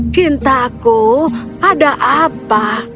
cintaku ada apa